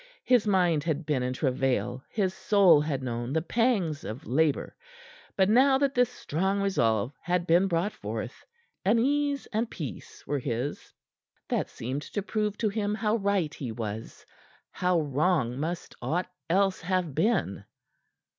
His mind had been in travail; his soul had known the pangs of labor. But now that this strong resolve had been brought forth, an ease and peace were his that seemed to prove to him how right he was, how wrong must aught else have been.